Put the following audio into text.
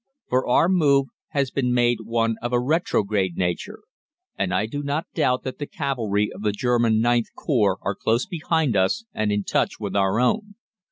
"For our move has been made one of a retrograde nature, and I do not doubt that the cavalry of the German IXth Corps are close behind us and in touch with our own.